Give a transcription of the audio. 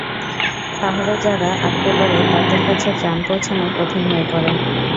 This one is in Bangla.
পাহাড়ে যারা আটকা পড়ে, তাদের কাছে ত্রাণ পৌঁছানো কঠিন হয়ে পড়ে।